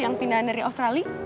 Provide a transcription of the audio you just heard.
yang pindah dari australia